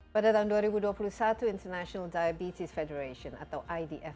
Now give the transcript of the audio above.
pada tahun dua ribu dua puluh satu international diabetes federation atau idf